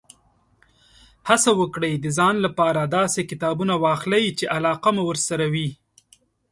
هڅه وکړئ، د ځان لپاره داسې کتابونه واخلئ، چې علاقه مو ورسره وي.